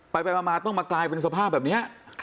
ไปมาต้องมากลายเป็นสภาพแบบนี้